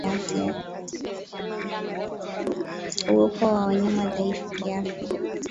Uwepo wa wanyama wadhaifu kiafya